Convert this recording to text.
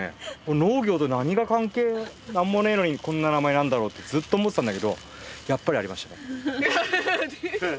農業と何が関係何もねえのにこんな名前なんだろうってずっと思ってたんだけどやっぱりありましたね。